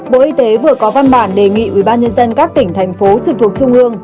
bộ y tế vừa có văn bản đề nghị ubnd các tỉnh thành phố trực thuộc trung ương